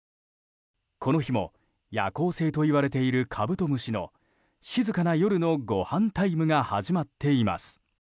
この日も、夜行性といわれているカブトムシの静かな夜のごはんタイムが始まっています。